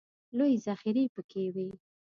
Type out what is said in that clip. لویې ذخیرې پکې وې.